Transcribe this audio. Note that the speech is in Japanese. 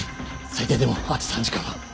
最低でもあと３時間は。